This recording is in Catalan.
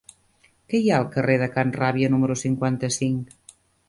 Què hi ha al carrer de Can Ràbia número cinquanta-cinc?